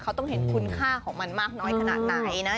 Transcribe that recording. เขาต้องเห็นคุณค่าของมันมากน้อยขนาดไหนนะ